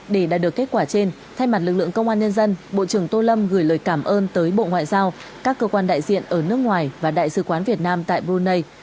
để đạt được kết quả trên thay mặt lực lượng công an nhân dân bộ trưởng tô lâm gửi lời cảm ơn tới bộ ngoại giao các cơ quan đại diện ở nước ngoài và đại sứ quán việt nam tại brunei